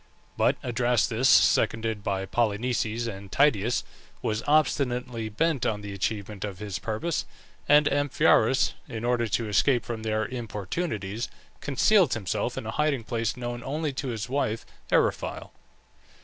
But Adrastus, seconded by Polynices and Tydeus, was obstinately bent on the achievement of his purpose, and Amphiaraus, in order to escape from their importunities, concealed himself in a hiding place known only to his wife Eriphyle.